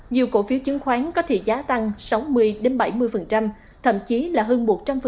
nhiều cổ phiếu chứng khoán có thể giá tăng sáu mươi bảy mươi thậm chí là hơn một trăm linh